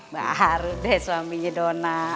bahar deh suaminya donat